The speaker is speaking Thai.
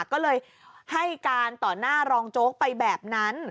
ก็เลยให้การต่อหน้ารองโจ๊กไปแบบนั้น